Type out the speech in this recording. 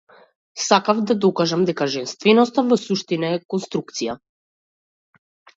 Сакав да докажам дека женственоста во суштина е конструкција.